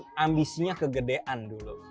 mungkin ambisinya kegedean dulu